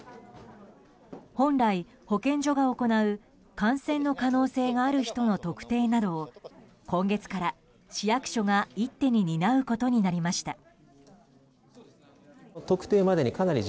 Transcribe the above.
本来、保健所が行う感染の可能性がある人の特定などを、今月から市役所が一手に担うことになりました。